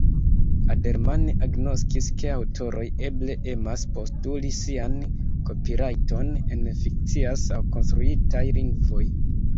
Adelman agnoskis ke aŭtoroj eble emas postuli sian kopirajton en fikciaj aŭ konstruitaj lingvoj